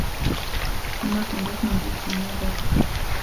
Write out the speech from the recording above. تمّ تنظيف منزل سامي و بيعه.